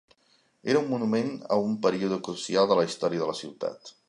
Era un monument a un període crucial de la història de la ciutat.